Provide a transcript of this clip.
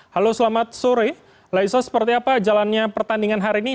halo selamat sore laisa seperti apa jalannya pertandingan hari ini